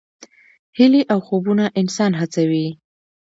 هیلې او خوبونه انسان هڅوي.